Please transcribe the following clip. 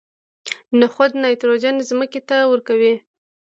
نخود نایتروجن ځمکې ته ورکوي.